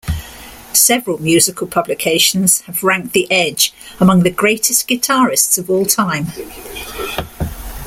Several music publications have ranked the Edge among the greatest guitarists of all time.